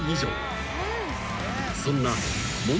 ［そんな］